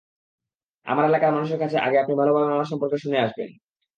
আমার এলাকার মানুষের কাছে আগে আপনি ভালোভাবে আমার সম্পর্কে শুনে আসেন।